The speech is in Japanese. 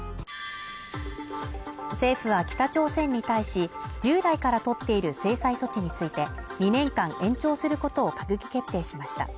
政府は北朝鮮に対し、従来から取っている制裁措置について、２年間延長することを閣議決定しました。